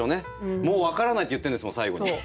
「もうわからない」って言ってんですもん最後に。